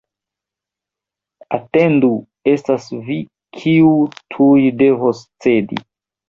Atendu, estas vi, kiu tuj devos cedi!